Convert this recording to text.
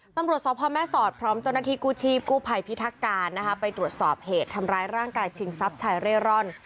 ตำรวจสพแม่สอดพร้อมเจ้าหน้าที่กู้ชีพกู้ภัยพิทักการนะคะไปตรวจสอบเหตุทำร้ายร่างกายชิงทรัพย์ชายเร่ร่อน